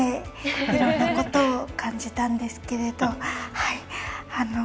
いろんなことを感じたんですけれど。